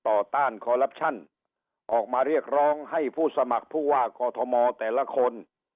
ต้านคอลลับชั่นออกมาเรียกร้องให้ผู้สมัครผู้ว่ากอทมแต่ละคน